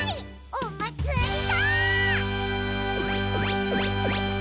おまつりだ！